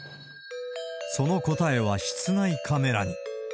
その答えは室内カメラに。